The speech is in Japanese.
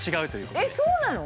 えっそうなの？